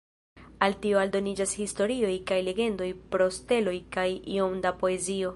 Al tio aldoniĝas historioj kaj legendoj pro steloj kaj iom da poezio.